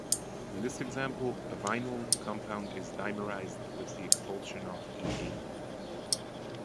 In this example, a vinyl compound is dimerized with the expulsion of ethene.